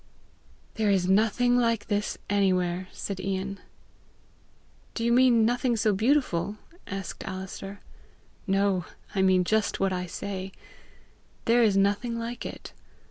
"There is nothing like this anywhere!" said Ian. "Do you mean nothing so beautiful?" asked Alister. "No; I mean just what I say: there is nothing like it.